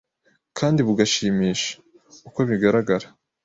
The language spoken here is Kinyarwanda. kandi bugashimisha? Uko bigaragara,